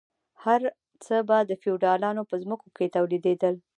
هر څه به د فیوډالانو په ځمکو کې تولیدیدل.